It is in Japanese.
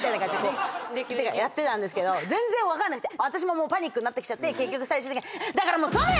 やってたんですけど分かんなくて私もパニックになってきちゃって結局最終的にだから。